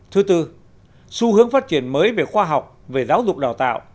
thứ tư xu hướng phát triển mới về khoa học về giáo dục đào tạo